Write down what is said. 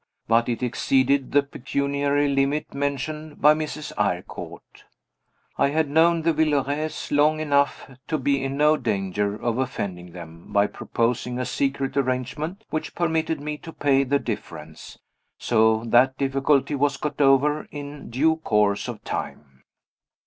But it exceeded the pecuniary limit mentioned by Mrs. Eyrecourt. I had known the Villerays long enough to be in no danger of offending them by proposing a secret arrangement which permitted me to pay the difference. So that difficulty was got over in due course of time.